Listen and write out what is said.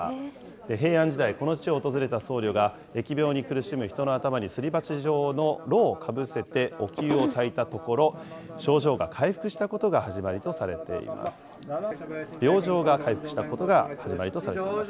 平安時代、この地を訪れた僧侶が、疫病に苦しむ人の頭にすり鉢状の炉をかぶせておきゅうをたいたところ、症状が回復したことが始まりとされています。